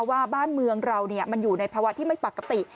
ว่าบ้านเมืองเรามันอยู่ในภาวะที่ไม่ปกติ